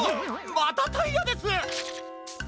またタイヤです！